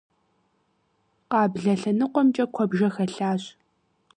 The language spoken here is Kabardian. Къаблэ лъэныкъуэмкӀэ куэбжэ хэлъащ.